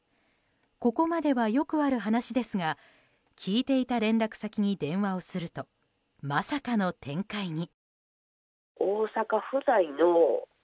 ここまではよくある話ですが聞いていた連絡先に電話をするとまさかの展開に。